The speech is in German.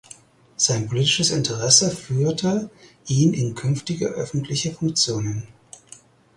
Sein politisches Interesse führte ihn in künftige öffentliche Funktionen.